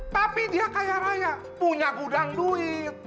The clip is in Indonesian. tapi dia kaya raya punya gudang duit